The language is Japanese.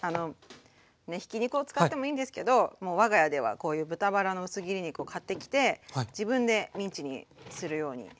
ひき肉を使ってもいいんですけどもう我が家ではこういう豚バラの薄切り肉を買ってきて自分でミンチにするようにしています。